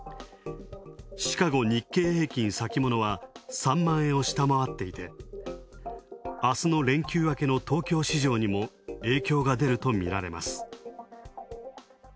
シカゴ日経平均先物は、３万円を下回っていて、明日の連休明けの東京市場にも影響が出ると見られます。